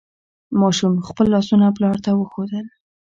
ماشوم خپل لاسونه پلار ته وښودل.